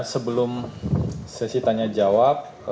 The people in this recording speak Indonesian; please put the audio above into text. sebelum sesi tanya jawab